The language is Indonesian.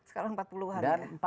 sekarang empat puluh hari ya